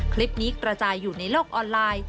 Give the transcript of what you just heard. คลิปนี้กระจายอยู่ในโลกออนไลน์